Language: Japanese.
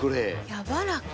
やわらか。